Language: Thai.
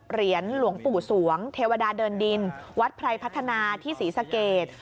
เหรียญหลวงปู่สวงเทวดาเดินดินวัดไพรพัฒนาที่ศรีสะเกด